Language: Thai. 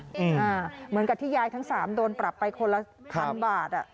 เหมือนกับที่ยายทั้งสามโดนปรับไปคนละพันบาทอ่ะ